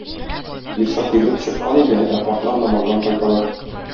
Илшат йөгереп чыккан иде, ә картлар намаздан кайталар.